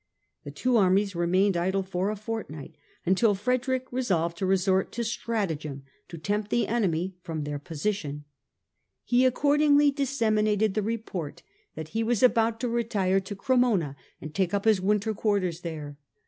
The two armies remained idle for a fortnight, until Frederick resolved to resort to stratagem to tempt the enemy from their position. He accordingly disseminated the report that he was about 152 STUPOR MUNDI to retire to Cremona and take up his winter quarters there.